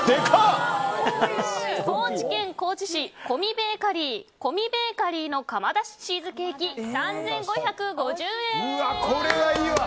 高知県高知市コミベーカリーの窯出しチーズケーキ、３５５０円。